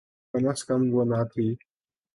کم از کم وہ نہ تھی۔